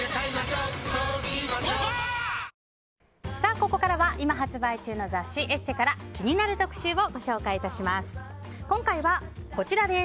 ここからは今発売中の雑誌「ＥＳＳＥ」から気になる特集をご紹介します。